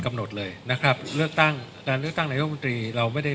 กำโดรเลยนะครับเลือกตั้งและหลวงหน้าเราไม่ได้